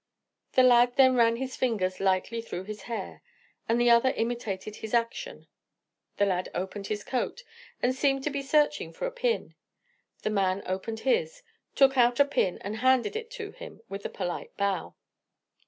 The lad then ran his fingers lightly through his hair; the other imitated his action; the lad opened his coat and seemed to be searching for a pin; the man opened his, took out a pin and handed it to him with a polite bow.